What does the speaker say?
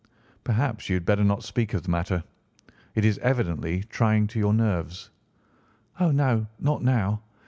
"Perhaps you had better not speak of the matter. It is evidently trying to your nerves." "Oh, no, not now.